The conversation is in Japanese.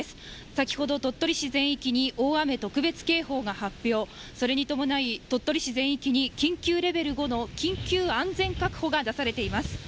先ほど、鳥取市全域に大雨特別警報が発表、それに伴い、鳥取市全域に緊急レベル５の緊急安全確保が出されています。